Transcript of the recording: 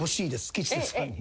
吉瀬さん。